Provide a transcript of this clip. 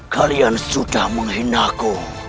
kalian sudah menghina aku